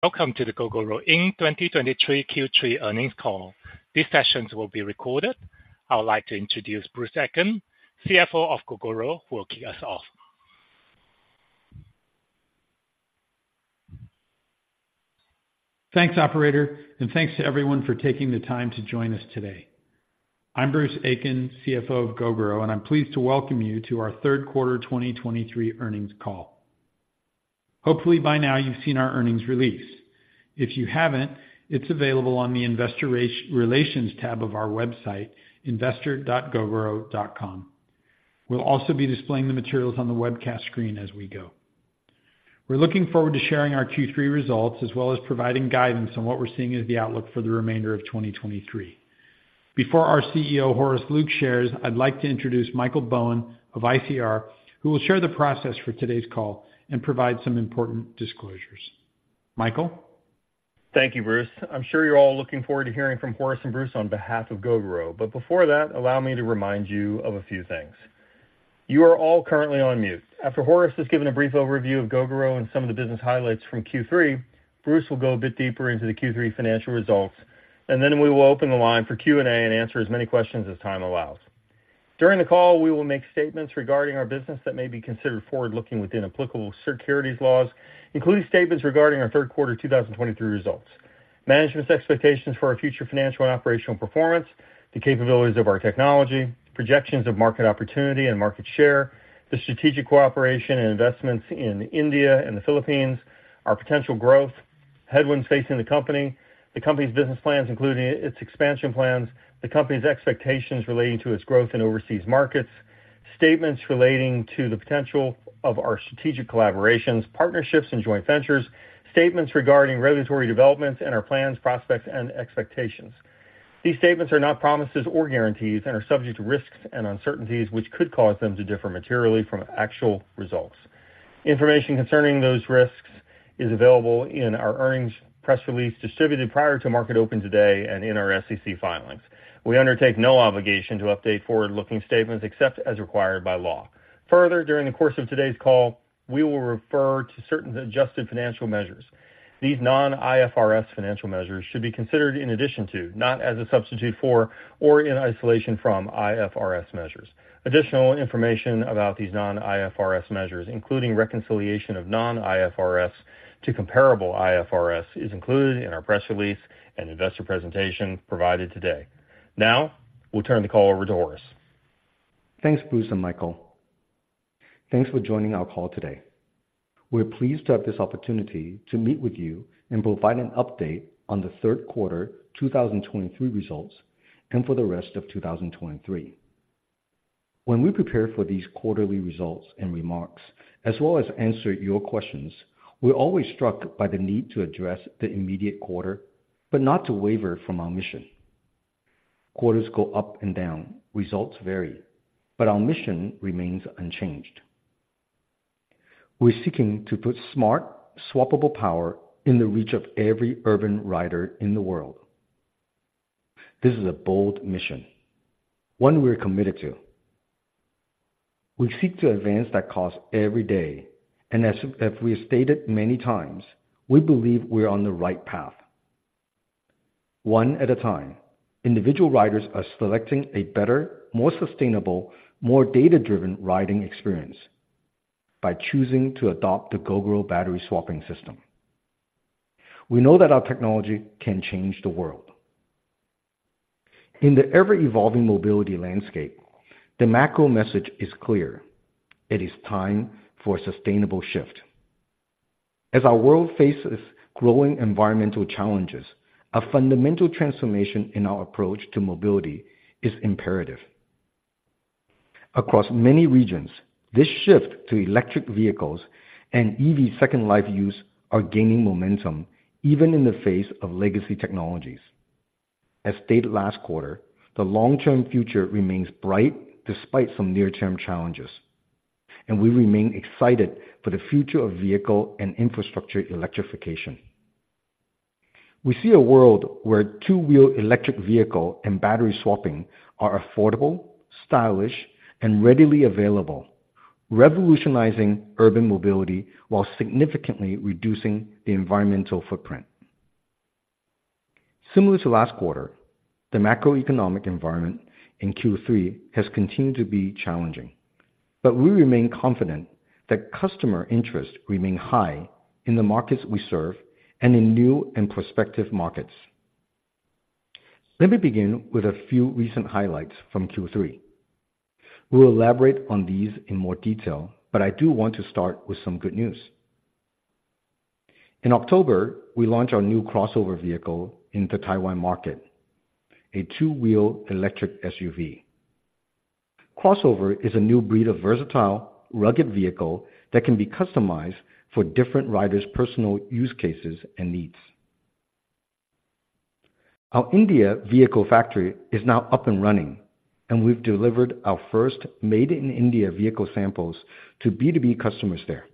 Welcome to the Gogoro Inc. 2023 Q3 Earnings call. This session will be recorded. I would like to introduce Bruce Aitken, CFO of Gogoro, who will kick us off. Thanks, operator, and thanks to everyone for taking the time to join us today. I'm Bruce Aitken, CFO of Gogoro, and I'm pleased to welcome you to our Q3 2023 earnings call. Hopefully by now you've seen our earnings release. If you haven't, it's available on the investor relations tab of our website, investor.gogoro.com. We'll also be displaying the materials on the webcast screen as we go. We're looking forward to sharing our Q3 results, as well as providing guidance on what we're seeing as the outlook for the remainder of 2023. Before our CEO, Horace Luke, shares, I'd like to introduce Michael Bowen of ICR, who will share the process for today's call and provide some important disclosures. Michael? Thank you, Bruce. I'm sure you're all looking forward to hearing from Horace and Bruce on behalf of Gogoro. But before that, allow me to remind you of a few things. You are all currently on mute. After Horace has given a brief overview of Gogoro and some of the business highlights from Q3, Bruce will go a bit deeper into the Q3 financial results, and then we will open the line for Q&A and answer as many questions as time allows. During the call, we will make statements regarding our business that may be considered forward-looking within applicable securities laws, including statements regarding our third quarter 2023 results, management's expectations for our future financial and operational performance, the capabilities of our technology, projections of market opportunity and market share, the strategic cooperation and investments in India and the Philippines, our potential growth, headwinds facing the company, the company's business plans, including its expansion plans, the company's expectations relating to its growth in overseas markets, statements relating to the potential of our strategic collaborations, partnerships, and joint ventures, statements regarding regulatory developments and our plans, prospects, and expectations. These statements are not promises or guarantees and are subject to risks and uncertainties which could cause them to differ materially from actual results. Information concerning those risks is available in our earnings press release, distributed prior to market open today and in our SEC filings. We undertake no obligation to update forward-looking statements except as required by law. Further, during the course of today's call, we will refer to certain adjusted financial measures. These non-IFRS financial measures should be considered in addition to, not as a substitute for, or in isolation from IFRS measures. Additional information about these non-IFRS measures, including reconciliation of non-IFRS to comparable IFRS, is included in our press release and investor presentation provided today. Now, we'll turn the call over to Horace. Thanks, Bruce and Michael. Thanks for joining our call today. We're pleased to have this opportunity to meet with you and provide an update on the third quarter 2023 results, and for the rest of 2023. When we prepare for these quarterly results and remarks, as well as answer your questions, we're always struck by the need to address the immediate quarter, but not to waver from our mission. Quarters go up and down. Results vary, but our mission remains unchanged. We're seeking to put smart, swappable power in the reach of every urban rider in the world. This is a bold mission, one we are committed to. We seek to advance that cause every day, and as we have stated many times, we believe we're on the right path. One at a time, individual riders are selecting a better, more sustainable, more data-driven riding experience by choosing to adopt the Gogoro battery swapping system. We know that our technology can change the world. In the ever-evolving mobility landscape, the macro message is clear: It is time for a sustainable shift. As our world faces growing environmental challenges, a fundamental transformation in our approach to mobility is imperative. Across many regions, this shift to electric vehicles and EV second life use are gaining momentum, even in the face of legacy technologies. As stated last quarter, the long-term future remains bright despite some near-term challenges, and we remain excited for the future of vehicle and infrastructure electrification. We see a world where two-wheeled electric vehicle and battery swapping are affordable, stylish, and readily available, revolutionizing urban mobility while significantly reducing the environmental footprint. Similar to last quarter, the macroeconomic environment in Q3 has continued to be challenging, but we remain confident that customer interest remain high in the markets we serve and in new and prospective markets. Let me begin with a few recent highlights from Q3. We'll elaborate on these in more detail, but I do want to start with some good news. In October, we launched our new CrossOver vehicle in the Taiwan market, a two-wheeled electric SUV. CrossOver is a new breed of versatile, rugged vehicle that can be customized for different riders' personal use cases and needs. Our India vehicle factory is now up and running, and we've delivered our first made-in-India vehicle samples to B2B customers there.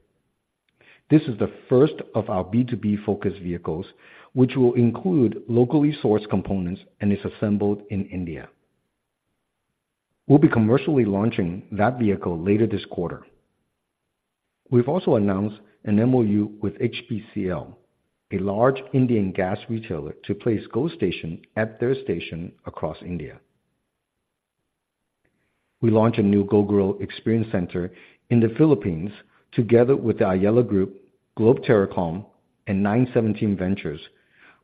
This is the first of our B2B-focused vehicles, which will include locally sourced components and is assembled in India. We'll be commercially launching that vehicle later this quarter. We've also announced an MOU with HPCL, a large Indian gas retailer, to place GoStation at their station across India. We launched a new Gogoro Experience Center in the Philippines, together with the Ayala Group, Globe Telecom, and 917Ventures,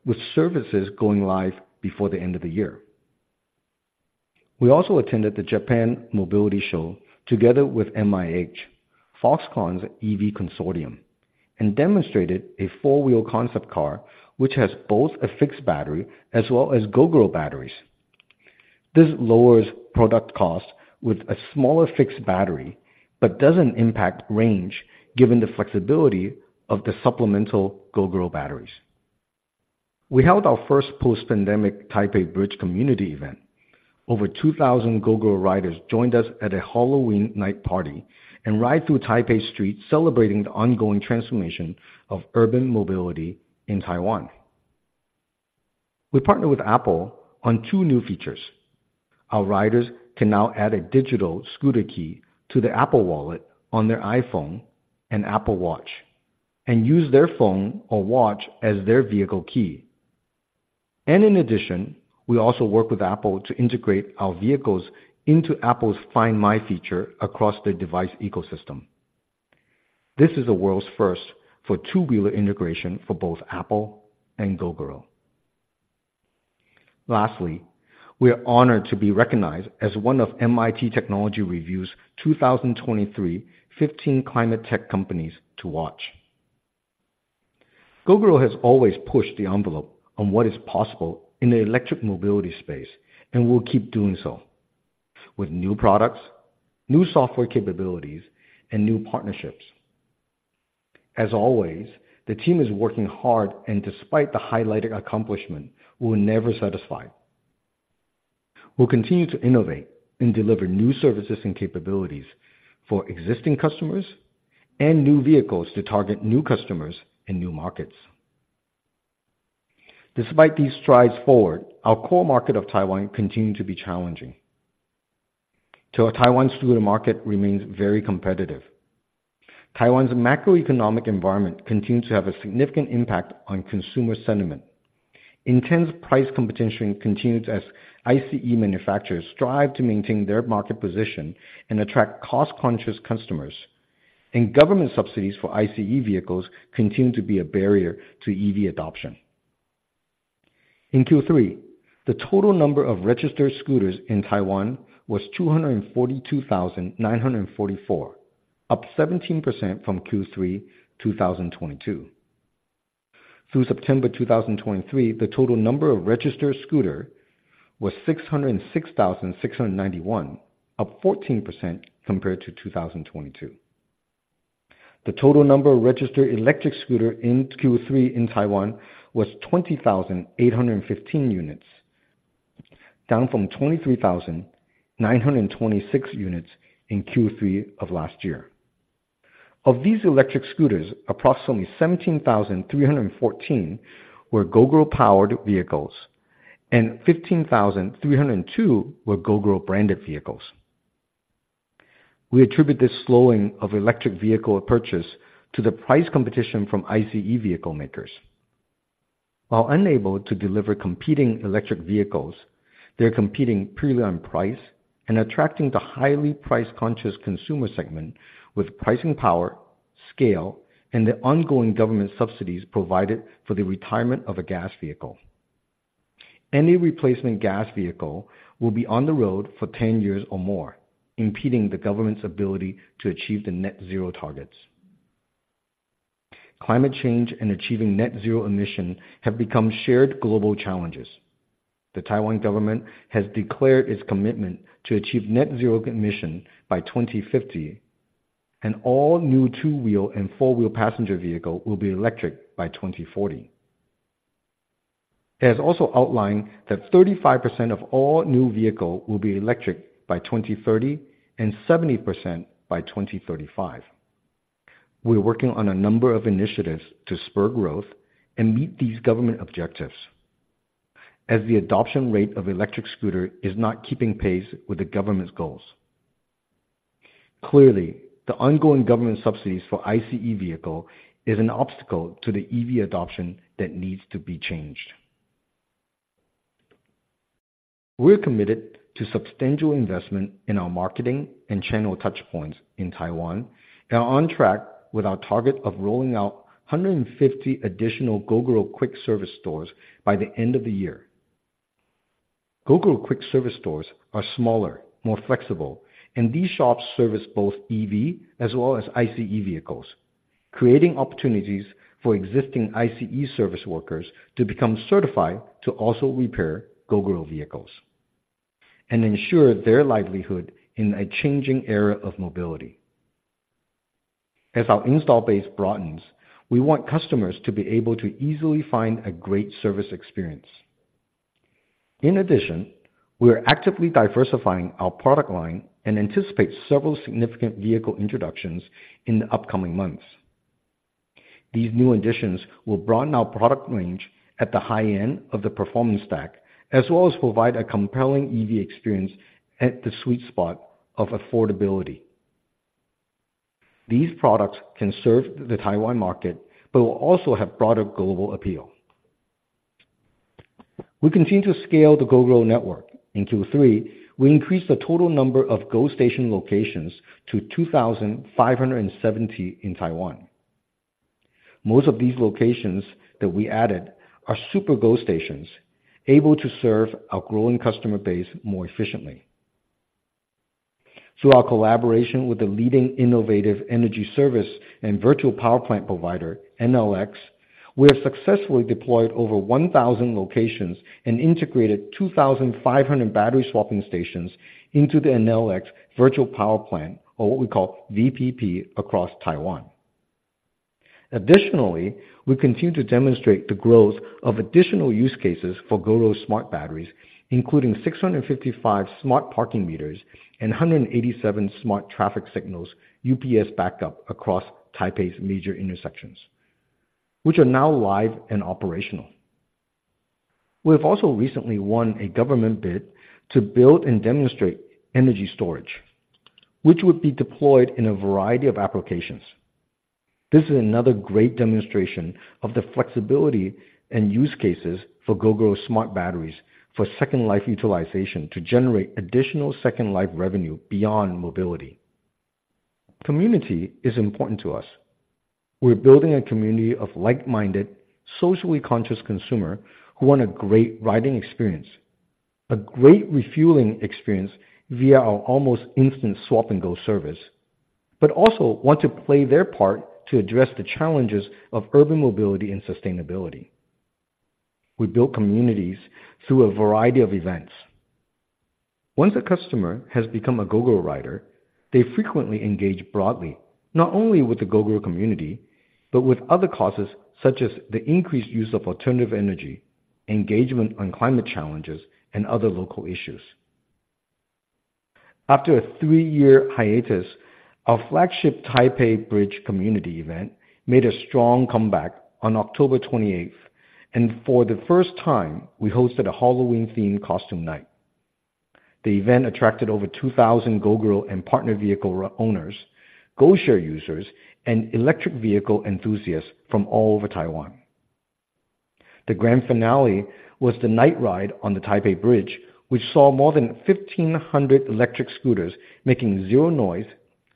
with services going live before the end of the year. We also attended the Japan Mobility Show together with MIH, Foxconn's EV consortium, and demonstrated a four-wheel concept car, which has both a fixed battery as well as Gogoro batteries. This lowers product cost with a smaller fixed battery, but doesn't impact range given the flexibility of the supplemental Gogoro batteries. We held our first post-pandemic Taipei Bridge Community event. Over 2,000 Gogoro riders joined us at a Halloween night party and ride through Taipei streets, celebrating the ongoing transformation of urban mobility in Taiwan. We partnered with Apple on two new features. Our riders can now add a digital scooter key to the Apple Wallet on their iPhone and Apple Watch, and use their phone or watch as their vehicle key. In addition, we also work with Apple to integrate our vehicles into Apple's Find My feature across their device ecosystem. This is the world's first for two-wheeler integration for both Apple and Gogoro. Lastly, we are honored to be recognized as one of MIT Technology Review's 2023 15 Climate Tech Companies to Watch. Gogoro has always pushed the envelope on what is possible in the electric mobility space, and we'll keep doing so with new products, new software capabilities, and new partnerships. As always, the team is working hard, and despite the highlighted accomplishment, we're never satisfied. We'll continue to innovate and deliver new services and capabilities for existing customers and new vehicles to target new customers and new markets. Despite these strides forward, our core market of Taiwan continue to be challenging. So Taiwan scooter market remains very competitive. Taiwan's macroeconomic environment continues to have a significant impact on consumer sentiment. Intense price competition continues as ICE manufacturers strive to maintain their market position and attract cost-conscious customers, and government subsidies for ICE vehicles continue to be a barrier to EV adoption. In Q3, the total number of registered scooters in Taiwan was 242,944, up 17% from Q3 2022. Through September 2023, the total number of registered scooter was 606,691, up 14% compared to 2022. The total number of registered electric scooters in Q3 in Taiwan was 20,815 units, down from 23,926 units in Q3 of last year. Of these electric scooters, approximately 17,314 were Gogoro-powered vehicles, and 15,302 were Gogoro-branded vehicles. We attribute this slowing of electric vehicle purchase to the price competition from ICE vehicle makers. While unable to deliver competing electric vehicles, they're competing purely on price and attracting the highly price-conscious consumer segment with pricing power, scale, and the ongoing government subsidies provided for the retirement of a gas vehicle. Any replacement gas vehicle will be on the road for 10 years or more, impeding the government's ability to achieve the Net Zero targets. Climate change and achieving Net Zero emission have become shared global challenges. The Taiwan government has declared its commitment to achieve net zero emission by 2050, and all new two-wheel and four-wheel passenger vehicle will be electric by 2040. It has also outlined that 35% of all new vehicle will be electric by 2030, and 70% by 2035. We're working on a number of initiatives to spur growth and meet these government objectives, as the adoption rate of electric scooter is not keeping pace with the government's goals. Clearly, the ongoing government subsidies for ICE vehicle is an obstacle to the EV adoption that needs to be changed. We're committed to substantial investment in our marketing and channel touchpoints in Taiwan, and are on track with our target of rolling out 150 additional Gogoro Quick Service stores by the end of the year. Gogoro Quick Service stores are smaller, more flexible, and these shops service both EV as well as ICE vehicles, creating opportunities for existing ICE service workers to become certified to also repair Gogoro vehicles and ensure their livelihood in a changing era of mobility. As our install base broadens, we want customers to be able to easily find a great service experience. In addition, we are actively diversifying our product line and anticipate several significant vehicle introductions in the upcoming months. These new additions will broaden our product range at the high end of the performance stack, as well as provide a compelling EV experience at the sweet spot of affordability. These products can serve the Taiwan market, but will also have broader global appeal. We continue to scale the Gogoro network. In Q3, we increased the total number of GoStation locations to 2,570 in Taiwan. Most of these locations that we added are Super GoStations, able to serve our growing customer base more efficiently. Through our collaboration with the leading innovative energy service and virtual power plant provider, Enel X, we have successfully deployed over 1,000 locations and integrated 2,500 battery swapping stations into the Enel X virtual power plant, or what we call VPP, across Taiwan. Additionally, we continue to demonstrate the growth of additional use cases for Gogoro's smart batteries, including 655 smart parking meters and 187 smart traffic signals, UPS backup across Taipei's major intersections, which are now live and operational. We have also recently won a government bid to build and demonstrate energy storage, which would be deployed in a variety of applications. This is another great demonstration of the flexibility and use cases for Gogoro's smart batteries for Second Life utilization to generate additional Second Life revenue beyond mobility. Community is important to us. We're building a community of like-minded, socially conscious consumer who want a great riding experience, a great refueling experience via our almost instant swap and go service, but also want to play their part to address the challenges of urban mobility and sustainability. We build communities through a variety of events. Once a customer has become a Gogoro rider, they frequently engage broadly, not only with the Gogoro community, but with other causes such as the increased use of alternative energy, engagement on climate challenges, and other local issues. After a three-year hiatus, our flagship Taipei Bridge community event made a strong comeback on October twenty-eighth, and for the first time, we hosted a Halloween-themed costume night. The event attracted over 2,000 Gogoro and partner vehicle owners, GoShare users, and electric vehicle enthusiasts from all over Taiwan. The grand finale was the night ride on the Taipei Bridge, which saw more than 1,500 electric scooters making zero noise,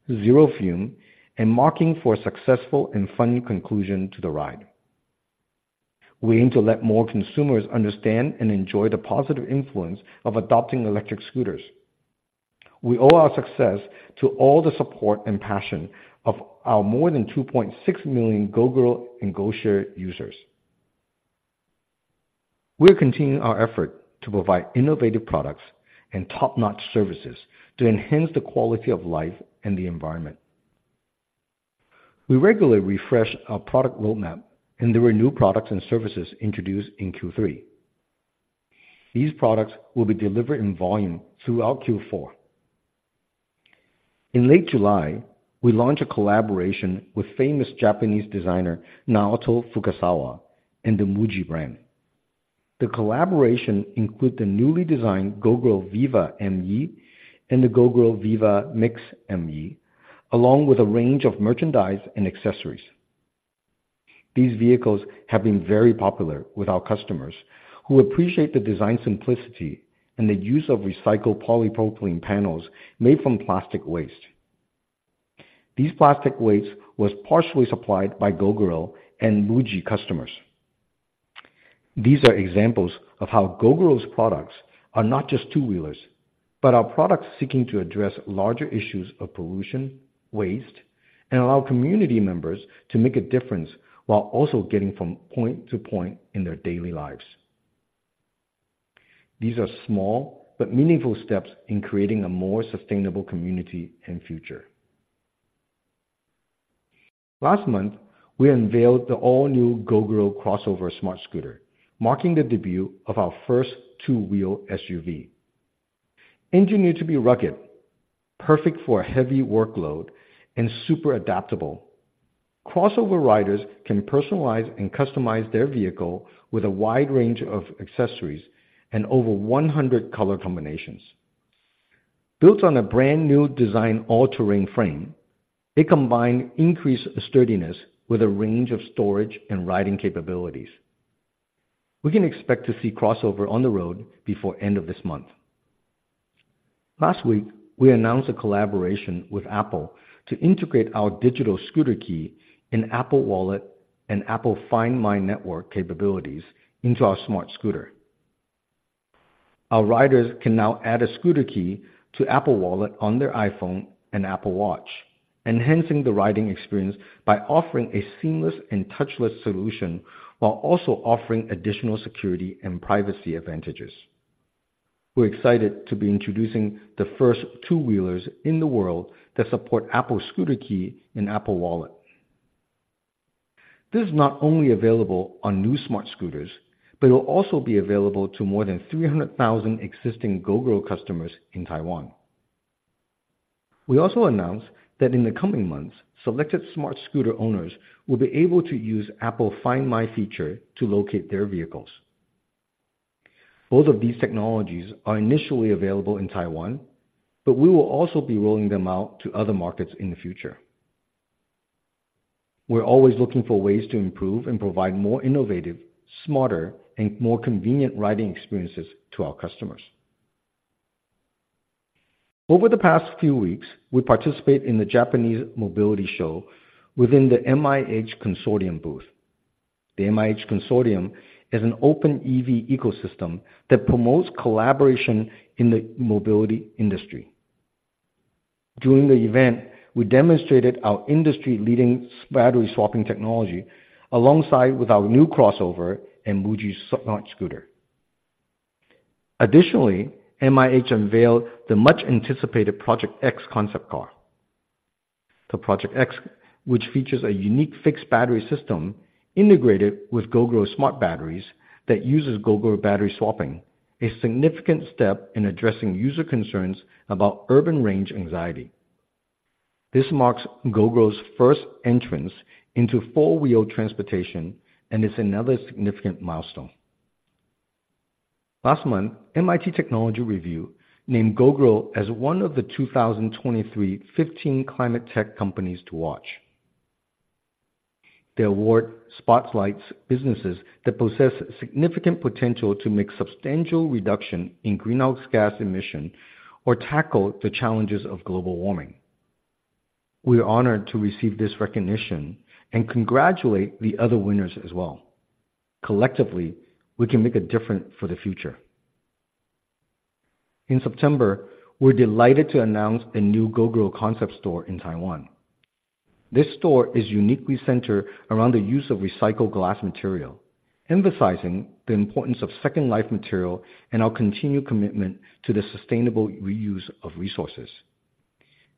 zero fumes, and making for a successful and fun conclusion to the ride. We aim to let more consumers understand and enjoy the positive influence of adopting electric scooters. We owe our success to all the support and passion of our more than 2.6 million Gogoro and GoShare users. We are continuing our effort to provide innovative products and top-notch services to enhance the quality of life and the environment. We regularly refresh our product roadmap, and there were new products and services introduced in Q3. These products will be delivered in volume throughout Q4. In late July, we launched a collaboration with famous Japanese designer, Naoto Fukasawa, and the MUJI brand. The collaboration includes the newly designed Gogoro VIVA ME and the Gogoro VIVA MIX ME, along with a range of merchandise and accessories. These vehicles have been very popular with our customers, who appreciate the design simplicity and the use of recycled polypropylene panels made from plastic waste. This plastic waste was partially supplied by Gogoro and MUJI customers. These are examples of how Gogoro's products are not just two-wheelers, but are products seeking to address larger issues of pollution, waste, and allow community members to make a difference while also getting from point to point in their daily lives. These are small but meaningful steps in creating a more sustainable community and future. Last month, we unveiled the all-new Gogoro Crossover Smartscooter, marking the debut of our first two-wheel SUV. Engineered to be rugged, perfect for a heavy workload, and super adaptable. Crossover riders can personalize and customize their vehicle with a wide range of accessories and over 100 color combinations. Built on a brand-new design, all-terrain frame, it combines increased sturdiness with a range of storage and riding capabilities. We can expect to see Crossover on the road before end of this month. Last week, we announced a collaboration with Apple to integrate our digital scooter key in Apple Wallet and Apple Find My network capabilities into our smart scooter. Our riders can now add a scooter key to Apple Wallet on their iPhone and Apple Watch, enhancing the riding experience by offering a seamless and touchless solution, while also offering additional security and privacy advantages. We're excited to be introducing the first two-wheelers in the world that support Apple scooter key in Apple Wallet. This is not only available on new smart scooters, but it will also be available to more than 300,000 existing Gogoro customers in Taiwan. We also announced that in the coming months, selected Smartscooter owners will be able to use Apple Find My feature to locate their vehicles. Both of these technologies are initially available in Taiwan, but we will also be rolling them out to other markets in the future. We're always looking for ways to improve and provide more innovative, smarter, and more convenient riding experiences to our customers. Over the past few weeks, we participate in the Japan Mobility Show within the MIH Consortium booth. The MIH Consortium is an open EV ecosystem that promotes collaboration in the mobility industry. During the event, we demonstrated our industry-leading battery swapping technology, alongside with our new Crossover and MUJI Smartscooter. Additionally, MIH unveiled the much-anticipated Project X concept car. The Project X, which features a unique fixed battery system integrated with Gogoro smart batteries that uses Gogoro battery swapping, a significant step in addressing user concerns about urban range anxiety. This marks Gogoro's first entrance into four-wheeled transportation and is another significant milestone. Last month, MIT Technology Review named Gogoro as one of the 2023 15 climate tech companies to watch. The award spotlights businesses that possess significant potential to make substantial reduction in greenhouse gas emission or tackle the challenges of global warming. We are honored to receive this recognition and congratulate the other winners as well. Collectively, we can make a difference for the future. In September, we're delighted to announce a new Gogoro concept store in Taiwan. This store is uniquely centered around the use of recycled glass material, emphasizing the importance of Second Life material and our continued commitment to the sustainable reuse of resources,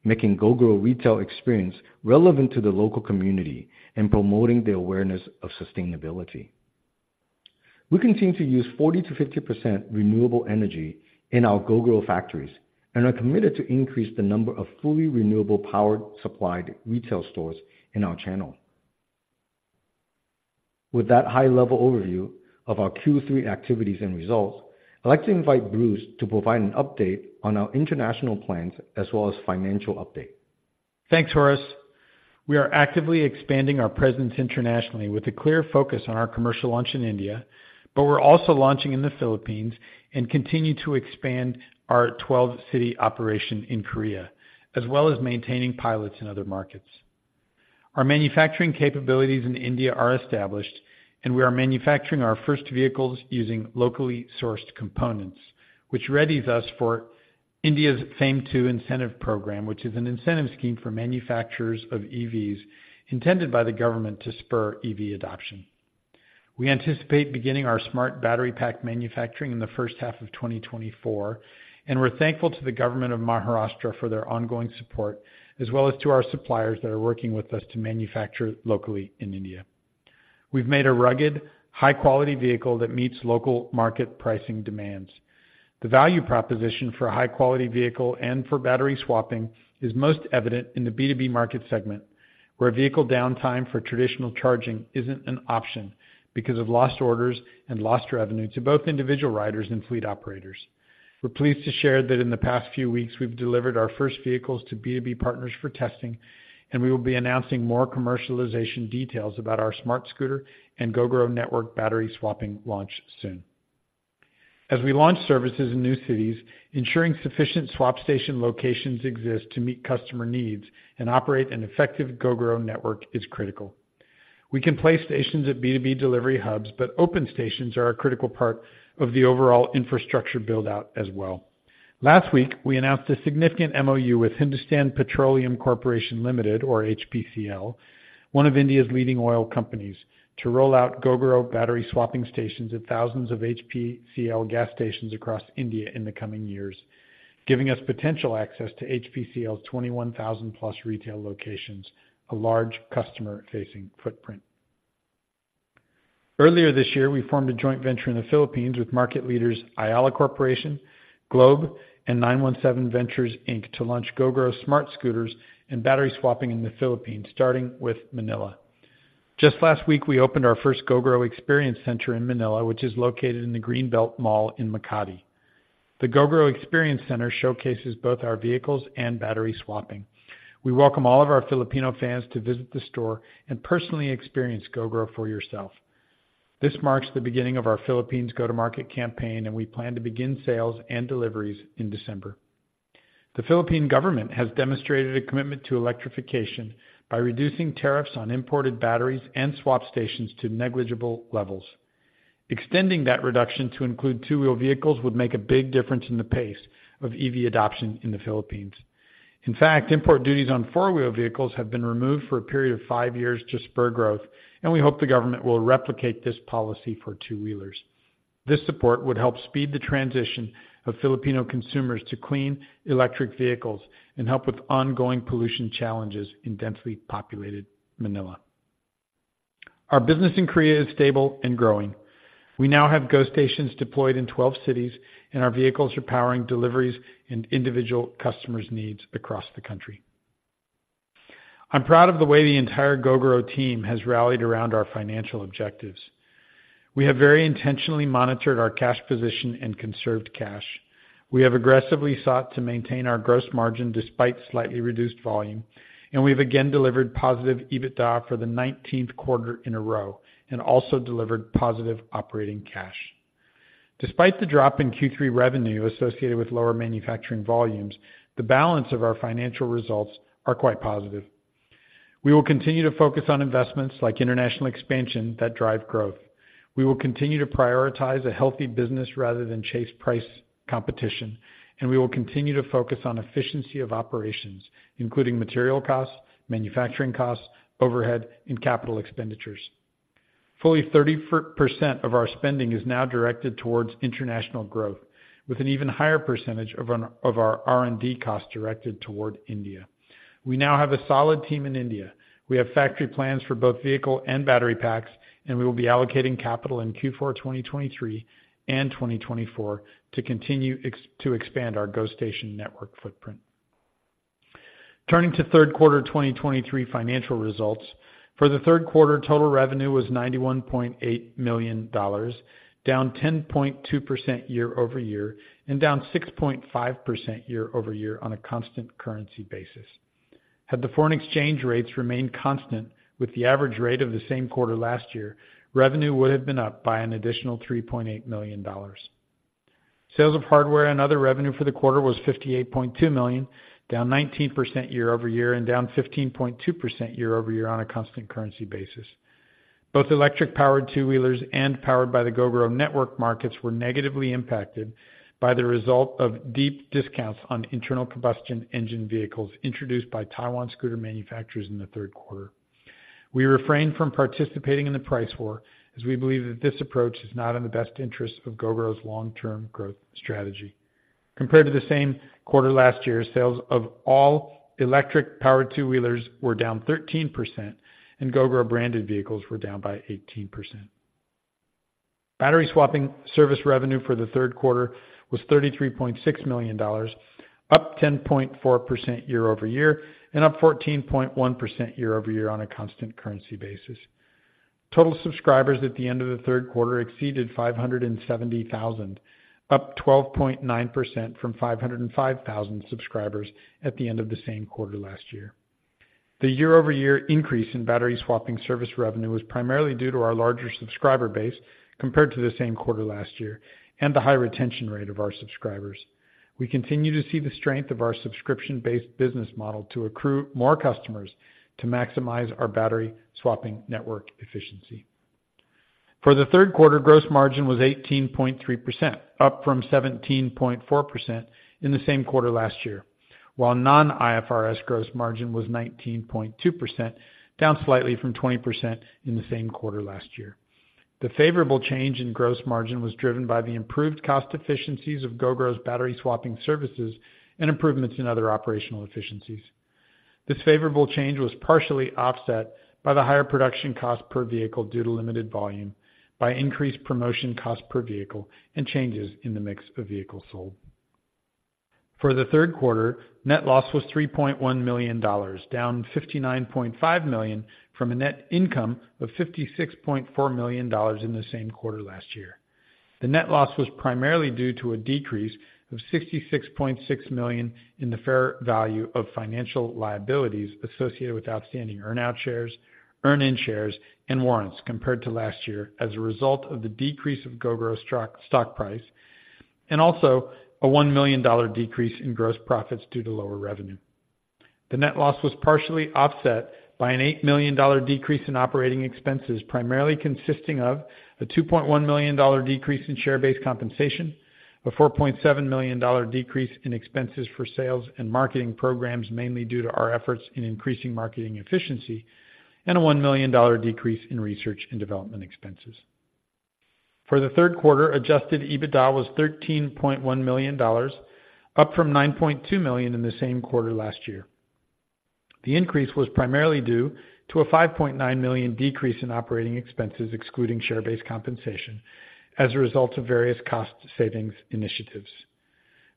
making Gogoro retail experience relevant to the local community and promoting the awareness of sustainability. We continue to use 40%-50% renewable energy in our Gogoro factories and are committed to increase the number of fully renewable power supplied retail stores in our channel. With that high-level overview of our Q3 activities and results, I'd like to invite Bruce to provide an update on our international plans as well as financial update. Thanks, Horace. We are actively expanding our presence internationally with a clear focus on our commercial launch in India, but we're also launching in the Philippines and continue to expand our 12-city operation in Korea, as well as maintaining pilots in other markets. Our manufacturing capabilities in India are established, and we are manufacturing our first vehicles using locally sourced components, which readies us for India's FAME II incentive program, which is an incentive scheme for manufacturers of EVs, intended by the government to spur EV adoption. We anticipate beginning our smart battery pack manufacturing in the first half of 2024, and we're thankful to the government of Maharashtra for their ongoing support, as well as to our suppliers that are working with us to manufacture locally in India. We've made a rugged, high-quality vehicle that meets local market pricing demands. The value proposition for a high-quality vehicle and for battery swapping is most evident in the B2B market segment, where vehicle downtime for traditional charging isn't an option because of lost orders and lost revenue to both individual riders and fleet operators. We're pleased to share that in the past few weeks, we've delivered our first vehicles to B2B partners for testing, and we will be announcing more commercialization details about our Smartscooter and Gogoro Network battery swapping launch soon. As we launch services in new cities, ensuring sufficient swap station locations exist to meet customer needs and operate an effective Gogoro Network is critical. We can place stations at B2B delivery hubs, but open stations are a critical part of the overall infrastructure build-out as well. Last week, we announced a significant MOU with Hindustan Petroleum Corporation Limited, or HPCL, one of India's leading oil companies, to roll out Gogoro battery swapping stations at thousands of HPCL gas stations across India in the coming years, giving us potential access to HPCL's 21,000-plus retail locations, a large customer-facing footprint. Earlier this year, we formed a joint venture in the Philippines with market leaders Ayala Corporation, Globe, and 917Ventures, Inc., to launch Gogoro Smartscooters and battery swapping in the Philippines, starting with Manila. Just last week, we opened our first Gogoro Experience Center in Manila, which is located in the Greenbelt Mall in Makati. The Gogoro Experience Center showcases both our vehicles and battery swapping. We welcome all of our Filipino fans to visit the store and personally experience Gogoro for yourself. This marks the beginning of our Philippines go-to-market campaign, and we plan to begin sales and deliveries in December. The Philippine government has demonstrated a commitment to electrification by reducing tariffs on imported batteries and swap stations to negligible levels. Extending that reduction to include two-wheeled vehicles would make a big difference in the pace of EV adoption in the Philippines. In fact, import duties on four-wheeled vehicles have been removed for a period of five years to spur growth, and we hope the government will replicate this policy for two-wheelers. This support would help speed the transition of Filipino consumers to clean electric vehicles and help with ongoing pollution challenges in densely populated Manila. Our business in Korea is stable and growing. We now have GoStations deployed in 12 cities, and our vehicles are powering deliveries and individual customers' needs across the country. I'm proud of the way the entire Gogoro team has rallied around our financial objectives. We have very intentionally monitored our cash position and conserved cash. We have aggressively sought to maintain our gross margin despite slightly reduced volume, and we've again delivered positive EBITDA for the nineteenth quarter in a row, and also delivered positive operating cash. Despite the drop in Q3 revenue associated with lower manufacturing volumes, the balance of our financial results are quite positive. We will continue to focus on investments like international expansion that drive growth. We will continue to prioritize a healthy business rather than chase price competition, and we will continue to focus on efficiency of operations, including material costs, manufacturing costs, overhead, and capital expenditures. Fully 30% of our spending is now directed towards international growth, with an even higher percentage of our R&D costs directed toward India. We now have a solid team in India. We have factory plans for both vehicle and battery packs, and we will be allocating capital in Q4 2023 and 2024 to continue to expand our GoStation network footprint. Turning to third quarter 2023 financial results. For the third quarter, total revenue was $91.8 million, down 10.2% year-over-year and down 6.5% year-over-year on a constant currency basis. Had the foreign exchange rates remained constant with the average rate of the same quarter last year, revenue would have been up by an additional $3.8 million. Sales of hardware and other revenue for the quarter was $58.2 million, down 19% year-over-year and down 15.2% year-over-year on a constant currency basis. Both electric-powered two-wheelers and powered by the Gogoro network markets were negatively impacted by the result of deep discounts on internal combustion engine vehicles introduced by Taiwan scooter manufacturers in the third quarter. We refrained from participating in the price war, as we believe that this approach is not in the best interest of Gogoro's long-term growth strategy. Compared to the same quarter last year, sales of all electric-powered two-wheelers were down 13% and Gogoro branded vehicles were down by 18%. Battery swapping service revenue for the third quarter was $33.6 million, up 10.4% year-over-year and up 14.1% year-over-year on a constant currency basis. Total subscribers at the end of the third quarter exceeded 570,000, up 12.9% from 505,000 subscribers at the end of the same quarter last year. The year-over-year increase in battery swapping service revenue was primarily due to our larger subscriber base compared to the same quarter last year and the high retention rate of our subscribers. We continue to see the strength of our subscription-based business model to accrue more customers to maximize our battery swapping network efficiency. For the third quarter, gross margin was 18.3%, up from 17.4% in the same quarter last year, while Non-IFRS gross margin was 19.2%, down slightly from 20% in the same quarter last year. The favorable change in gross margin was driven by the improved cost efficiencies of Gogoro's battery swapping services and improvements in other operational efficiencies. This favorable change was partially offset by the higher production cost per vehicle due to limited volume, by increased promotion cost per vehicle, and changes in the mix of vehicles sold. For the third quarter, net loss was $3.1 million, down $59.5 million from a net income of $56.4 million in the same quarter last year. The net loss was primarily due to a decrease of $66.6 million in the fair value of financial liabilities associated with outstanding earn-out shares, earn-in shares, and warrants compared to last year as a result of the decrease of Gogoro's stock, stock price, and also a $1 million decrease in gross profits due to lower revenue. The net loss was partially offset by an $8 million decrease in operating expenses, primarily consisting of a $2.1 million decrease in share-based compensation, a $4.7 million decrease in expenses for sales and marketing programs, mainly due to our efforts in increasing marketing efficiency, and a $1 million decrease in research and development expenses. For the third quarter, adjusted EBITDA was $13.1 million, up from $9.2 million in the same quarter last year. The increase was primarily due to a $5.9 million decrease in operating expenses, excluding share-based compensation, as a result of various cost savings initiatives.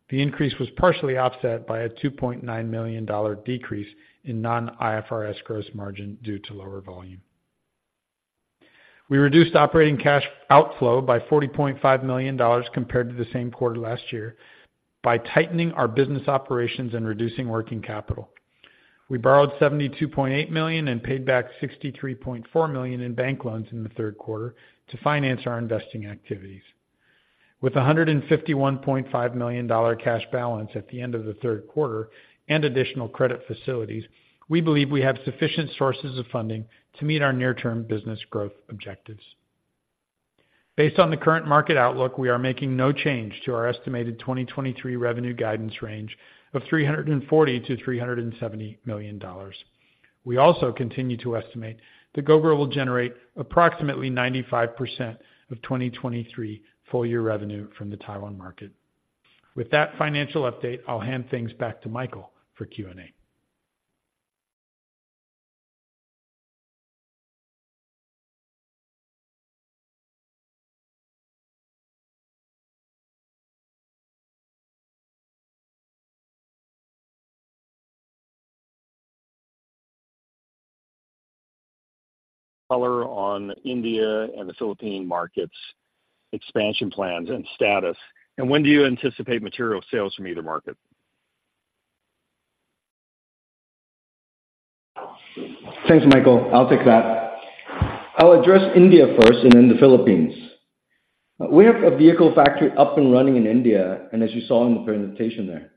The increase was partially offset by a $2.9 million decrease in non-IFRS gross margin due to lower volume. We reduced operating cash outflow by $40.5 million compared to the same quarter last year by tightening our business operations and reducing working capital. We borrowed $72.8 million and paid back $63.4 million in bank loans in the third quarter to finance our investing activities. With a $151.5 million cash balance at the end of the third quarter and additional credit facilities, we believe we have sufficient sources of funding to meet our near-term business growth objectives. Based on the current market outlook, we are making no change to our estimated 2023 revenue guidance range of $340 million-$370 million. We also continue to estimate that Gogoro will generate approximately 95% of 2023 full year revenue from the Taiwan market. With that financial update, I'll hand things back to Michael for Q&A. Color on India and the Philippine markets expansion plans and status, and when do you anticipate material sales from either market? Thanks, Michael. I'll take that. I'll address India first and then the Philippines. We have a vehicle factory up and running in India, and as you saw in the presentation there,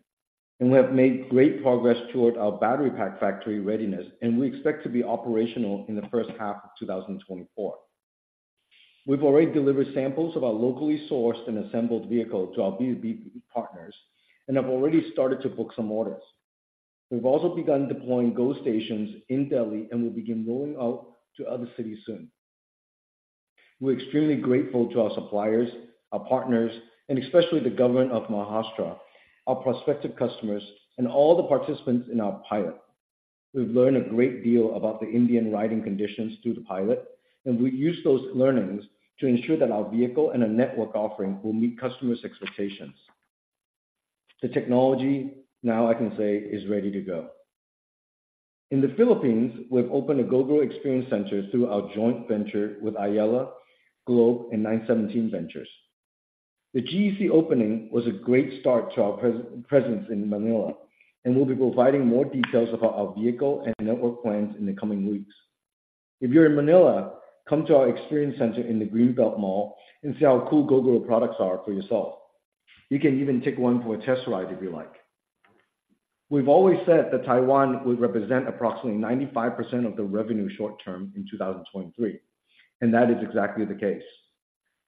and we have made great progress toward our battery pack factory readiness, and we expect to be operational in the first half of 2024. We've already delivered samples of our locally sourced and assembled vehicle to our B2B partners, and have already started to book some orders. We've also begun deploying GoStations in Delhi and will begin rolling out to other cities soon. We're extremely grateful to our suppliers, our partners, and especially the government of Maharashtra, our prospective customers, and all the participants in our pilot. We've learned a great deal about the Indian riding conditions through the pilot, and we use those learnings to ensure that our vehicle and our network offering will meet customers' expectations. The technology now, I can say, is ready to go. In the Philippines, we've opened a Gogoro Experience Center through our joint venture with Ayala Globe and Nine Seventeen Ventures. The GEC opening was a great start to our presence in Manila, and we'll be providing more details about our vehicle and network plans in the coming weeks. If you're in Manila, come to our Experience Center in the Greenbelt Mall and see how cool Gogoro products are for yourself. You can even take one for a test ride if you like. We've always said that Taiwan would represent approximately 95% of the revenue short term in 2023, and that is exactly the case.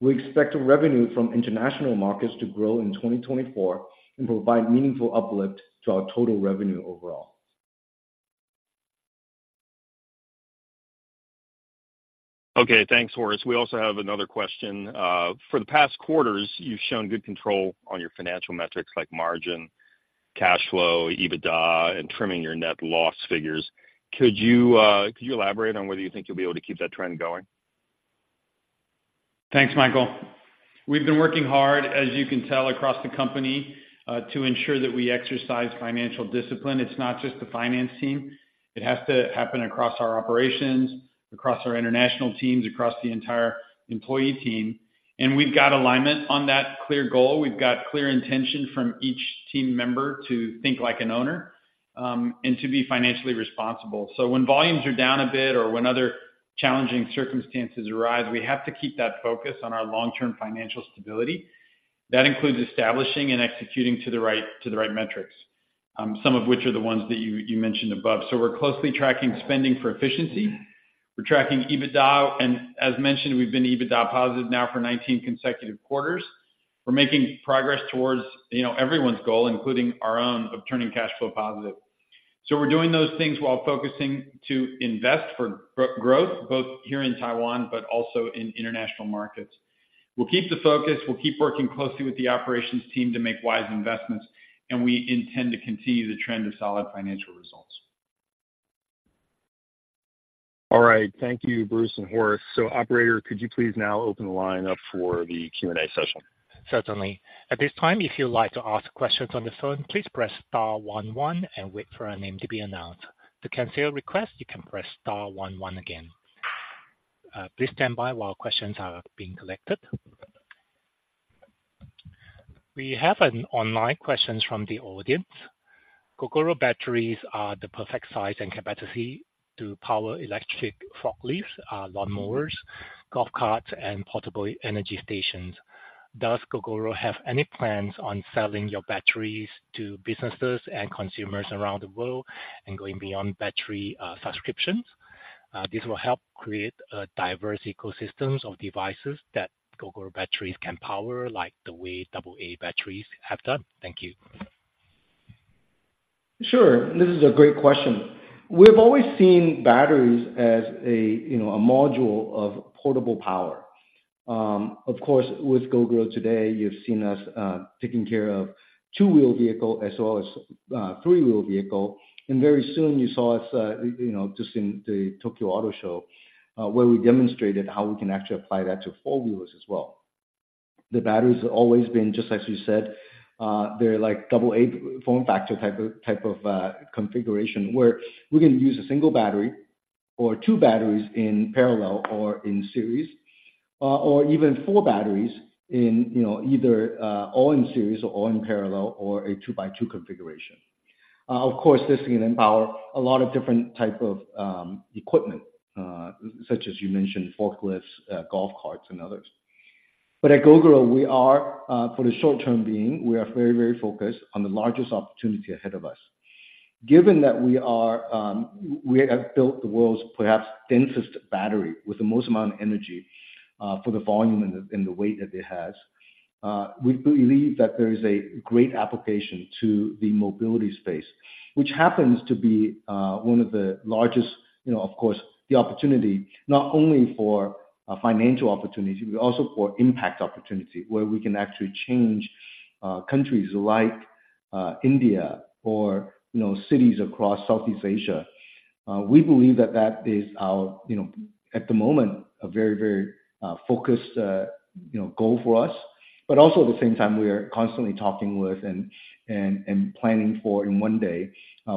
We expect the revenue from international markets to grow in 2024 and provide meaningful uplift to our total revenue overall. Okay, thanks, Horace. We also have another question. For the past quarters, you've shown good control on your financial metrics, like margin, cash flow, EBITDA, and trimming your net loss figures. Could you elaborate on whether you think you'll be able to keep that trend going? Thanks, Michael. We've been working hard, as you can tell, across the company, to ensure that we exercise financial discipline. It's not just the finance team. It has to happen across our operations, across our international teams, across the entire employee team, and we've got alignment on that clear goal. We've got clear intention from each team member to think like an owner, and to be financially responsible. So when volumes are down a bit or when other challenging circumstances arise, we have to keep that focus on our long-term financial stability. That includes establishing and executing to the right metrics, some of which are the ones that you mentioned above. So we're closely tracking spending for efficiency. We're tracking EBITDA, and as mentioned, we've been EBITDA positive now for 19 consecutive quarters. We're making progress towards, you know, everyone's goal, including our own, of turning cash flow positive. So we're doing those things while focusing to invest for growth, both here in Taiwan but also in international markets. We'll keep the focus, we'll keep working closely with the operations team to make wise investments, and we intend to continue the trend of solid financial results. All right. Thank you, Bruce and Horace. So operator, could you please now open the line up for the Q&A session? Certainly. At this time, if you'd like to ask questions on the phone, please press star one one and wait for your name to be announced. To cancel your request, you can press star one one again. Please stand by while questions are being collected. We have an online questions from the audience. Gogoro batteries are the perfect size and capacity to power electric forklifts, lawnmowers, golf carts, and portable energy stations. Does Gogoro have any plans on selling your batteries to businesses and consumers around the world and going beyond battery, subscriptions? This will help create a diverse ecosystems of devices that Gogoro batteries can power, like the way AA batteries have done. Thank you. Sure. This is a great question. We've always seen batteries as a, you know, a module of portable power. Of course, with Gogoro today, you've seen us taking care of two-wheel vehicle as well as three-wheel vehicle. And very soon you saw us, you know, just in the Tokyo Auto Show, where we demonstrated how we can actually apply that to four-wheelers as well. The batteries have always been, just as you said, they're like double A form factor type of configuration, where we can use a single battery or two batteries in parallel or in series, or even 4 batteries in, you know, either all in series or all in parallel, or a 2-by-2 configuration. Of course, this can empower a lot of different type of equipment, such as you mentioned, forklifts, golf carts, and others. But at Gogoro, we are, for the short term being, we are very, very focused on the largest opportunity ahead of us. Given that we are, we have built the world's perhaps densest battery with the most amount of energy, for the volume and the, and the weight that it has, we believe that there is a great application to the mobility space, which happens to be one of the largest... You know, of course, the opportunity, not only for a financial opportunity, but also for impact opportunity, where we can actually change countries like- India or, you know, cities across Southeast Asia. We believe that that is our, you know, at the moment, a very, very, focused, you know, goal for us. But also at the same time, we are constantly talking with and planning for, in one day,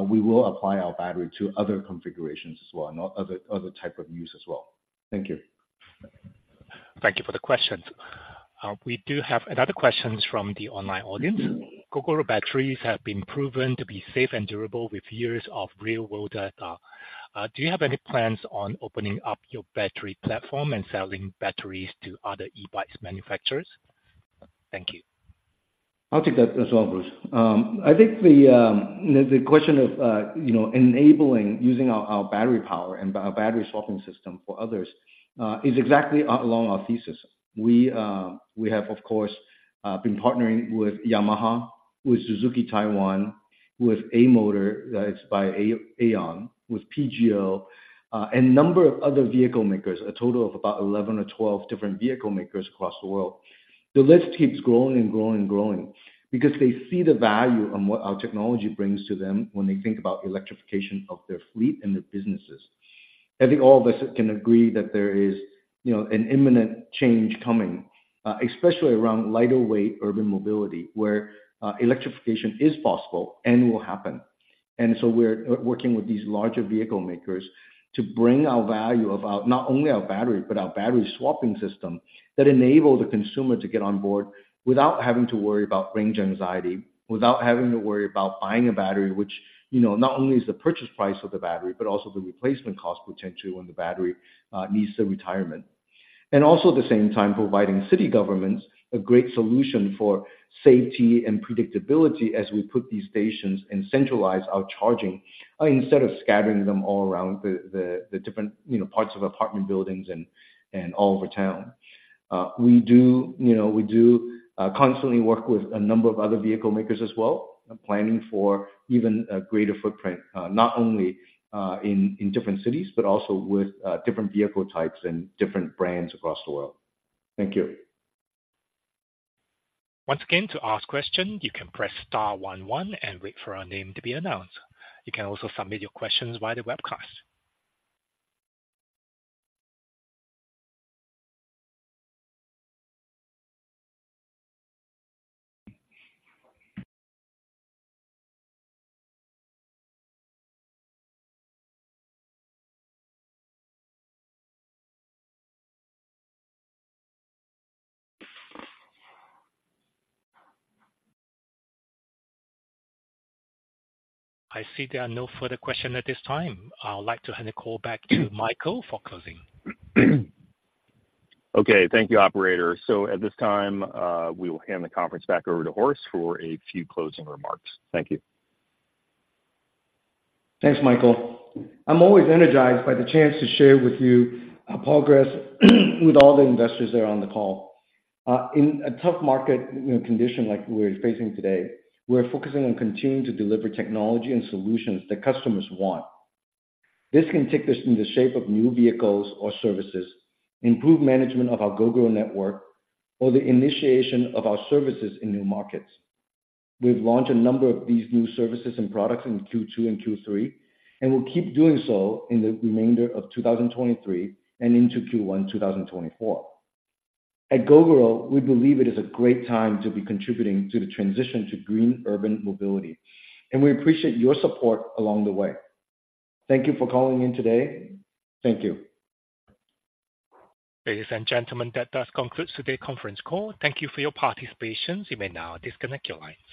we will apply our battery to other configurations as well, and other type of use as well. Thank you. Thank you for the question. We do have another questions from the online audience. "Gogoro batteries have been proven to be safe and durable with years of real-world data. Do you have any plans on opening up your battery platform and selling batteries to other e-bikes manufacturers? Thank you. I'll take that as well, Bruce. I think the question of, you know, enabling using our battery power and our battery swapping system for others is exactly along our thesis. We have, of course, been partnering with Yamaha, with Suzuki Taiwan, with A Motor, it's by Aeon, with PGO, and a number of other vehicle makers, a total of about 11 or 12 different vehicle makers across the world. The list keeps growing and growing, and growing because they see the value on what our technology brings to them when they think about electrification of their fleet and their businesses. I think all of us can agree that there is, you know, an imminent change coming, especially around lighter weight urban mobility, where electrification is possible and will happen. And so we're working with these larger vehicle makers to bring our value of our... not only our battery, but our battery swapping system, that enable the consumer to get on board without having to worry about range anxiety, without having to worry about buying a battery, which, you know, not only is the purchase price of the battery, but also the replacement cost potentially when the battery needs a retirement. And also, at the same time, providing city governments a great solution for safety and predictability as we put these stations and centralize our charging instead of scattering them all around the different, you know, parts of apartment buildings and all over town. We do, you know, constantly work with a number of other vehicle makers as well, planning for even a greater footprint, not only in different cities, but also with different vehicle types and different brands across the world. Thank you. Once again, to ask question, you can press star one one and wait for your name to be announced. You can also submit your questions via the webcast. I see there are no further question at this time. I would like to hand the call back to Michael for closing. Okay. Thank you, operator. So at this time, we will hand the conference back over to Horace for a few closing remarks. Thank you. Thanks, Michael. I'm always energized by the chance to share with you our progress, with all the investors that are on the call. In a tough market, you know, condition like we're facing today, we're focusing on continuing to deliver technology and solutions that customers want. This can take us in the shape of new vehicles or services, improve management of our Gogoro Network, or the initiation of our services in new markets. We've launched a number of these new services and products in Q2 and Q3, and we'll keep doing so in the remainder of 2023 and into Q1 2024. At Gogoro, we believe it is a great time to be contributing to the transition to green urban mobility, and we appreciate your support along the way. Thank you for calling in today. Thank you. Ladies and gentlemen, that does conclude today's conference call. Thank you for your participation. You may now disconnect your lines.